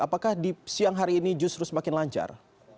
apakah di siang hari ini justru semakin lancar